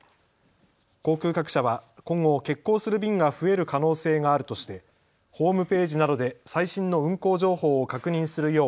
航空各社は今後、欠航する便が増える可能性があるとしてホームページなどで最新の運航情報を確認するよう